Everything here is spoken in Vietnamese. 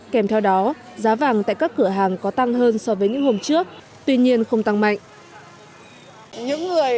kèm theo đó giá vàng tại các cửa hàng có tăng hơn so với những hôm trước tuy nhiên không tăng mạnh